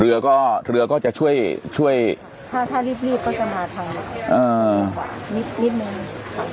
เรือก็เรือก็จะช่วยช่วยถ้าถ้ารีบรีบก็จะมาทางอ่านิดนึงนิดนึง